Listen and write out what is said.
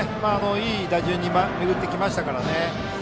いい打順に巡ってきましたからね。